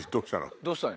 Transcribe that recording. どうしたの？